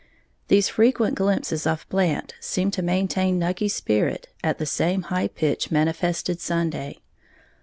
These frequent glimpses of Blant seem to maintain Nucky's spirits at the same high pitch manifested Sunday.